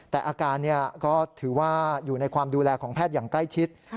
แต่อาการก็ถือว่าอยู่ในความดูแลของแพทย์อย่างใกล้ชิด